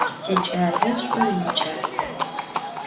Tiç'ale ş'ur yiç'as.